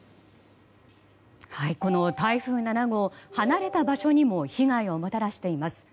この台風７号離れた場所にも被害をもたらしています。